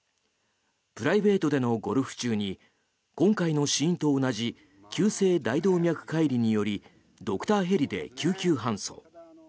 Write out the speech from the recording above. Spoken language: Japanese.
プライベートでのゴルフ中に今回の死因と同じ急性大動脈解離によりドクターヘリで救急搬送。